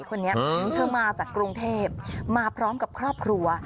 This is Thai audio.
คนนี้เธอมาจากกรุงเทพมาพร้อมกับครอบครัว